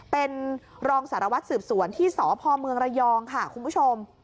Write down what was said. เป็นรองสารวัตรสืบสวนที่สพเมืองระยองค่ะคุณผู้ชม